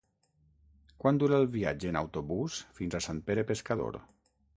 Quant dura el viatge en autobús fins a Sant Pere Pescador?